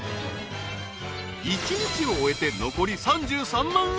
［１日を終えて残り３３万円］